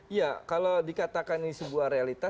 iya kalau dikatakan ini sebuah realita